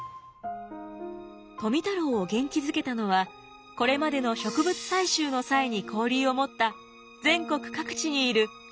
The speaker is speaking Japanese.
富太郎を元気づけたのはこれまでの植物採集の際に交流を持った全国各地にいる植物愛好家たち。